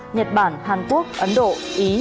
nhật bản hàn quốc ấn độ ý